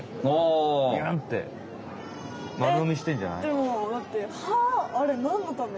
でもだって歯あれなんのため？